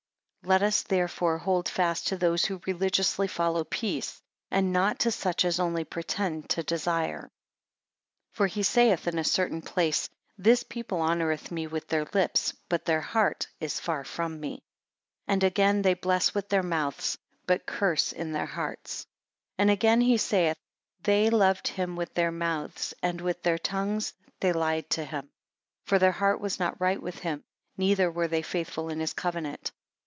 13 Let us, therefore, hold fast to those who religiously follow peace; and not to such as only pretend to desire. 14 For he saith in a certain place, This people honoureth me with their lips, but their heart is far from me. 15 And again, They bless with their mouths, but curse in their hearts. 16 And again he saith, They loved him with their mouths, and with their tongues they lied to him. For their heart was not right with him, neither were they faithful in his covenant.